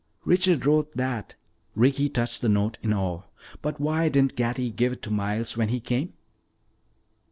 "Richard wrote that." Ricky touched the note in awe. "But why didn't Gatty give it to Miles when he came?"